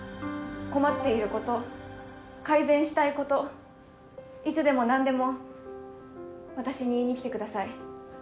困っていること改善したいこといつでも何でも私に言いに来てください